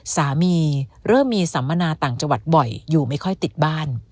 สามีเริ่มมีสัมมนาต่างจังหวัดบ่อยอยู่ไม่ค่อยติดบ้าน